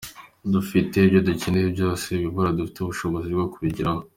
Dufite ibyo dukeneye byose, ibibura dufite ubushobozi bwo kubigeraho.